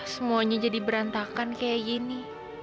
semuanya jadi berantakan kayak gini